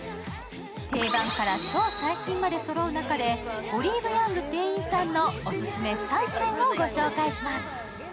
定番から超最新までそろう中で、オリーブヤング店員さんのおすすめ３点を紹介します。